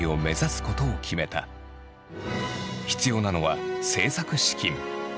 必要なのは制作資金。